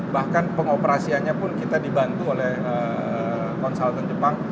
bahkan pengoperasiannya pun kita dibantu oleh konsultan jepang